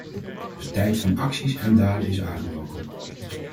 De tijd van acties en daden is aangebroken.